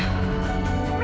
di satu saya